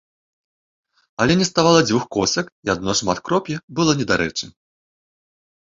Але не ставала дзвюх косак і адно шматкроп'е было недарэчы.